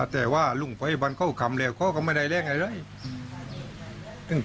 เค้าก็ไม่เคยเล่าให้เราฟัง